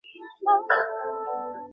হেম, ও-সমস্ত রাখিয়া দাও।